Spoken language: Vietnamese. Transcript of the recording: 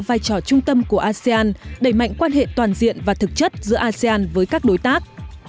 vai trò trung tâm của asean đẩy mạnh quan hệ toàn diện và thực chất giữa asean với các đối tác